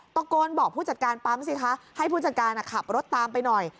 ตะโกนบอกผู้จัดการปั๊มสิคะให้ผู้จัดการขับรถตามไปหน่อย